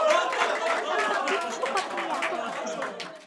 একটা তুচ্ছ কথা নিয়ে এত ভাবছ?